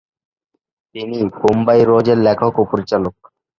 তিনি "বোম্বাই রোজ" -এর লেখক ও পরিচালক।